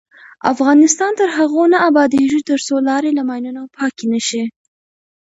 افغانستان تر هغو نه ابادیږي، ترڅو لارې له ماینونو پاکې نشي.